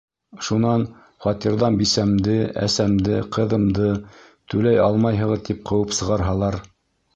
Шунан фатирҙан бисәмде, әсәмде, ҡыҙымды, түләй алмайһығыҙ, тип ҡыуып сығарһалар?